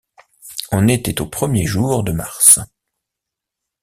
On était aux premiers jours de mars.